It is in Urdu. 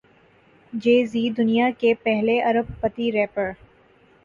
جے زی دنیا کے پہلے ارب پتی ریپر